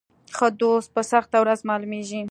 ښه دوست په سخته ورځ معلومیږي.